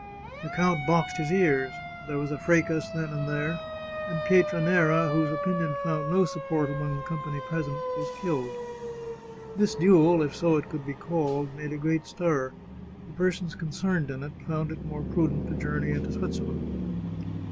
The count boxed his ears, there was a fracas then and there, and Pietranera, whose opinion found no support among the company present, was killed. This duel, if so it could be called, made a great stir; the persons concerned in it found it more prudent to journey into Switzerland.